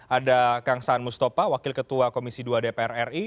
ada kang saan mustafa wakil ketua komisi dua dpr ri